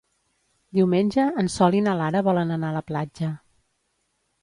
Diumenge en Sol i na Lara volen anar a la platja.